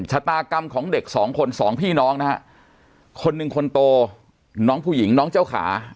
ชะตากรรมของเด็กสองคนสองพี่น้องนะฮะคนหนึ่งคนโตน้องผู้หญิงน้องเจ้าขา